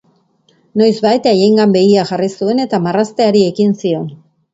Noizbait haiengan begia jarri zuen eta marrazteari ekin zion.